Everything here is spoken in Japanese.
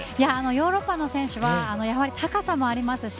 ヨーロッパの選手は高さもありますし